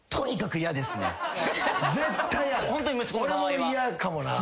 俺も嫌かもな。